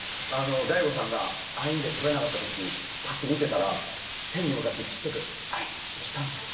大悟さんがアイーンで取れなかったとき見てたら天に向かってちっちゃくアイーンってしたんですよ。